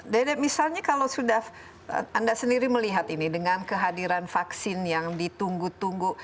dede misalnya kalau sudah anda sendiri melihat ini dengan kehadiran vaksin yang ditunggu tunggu